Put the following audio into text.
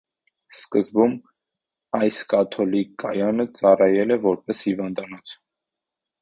Սկզբում այս կաթոլիկ կայանը ծառայել է որպես հիվանդանոց։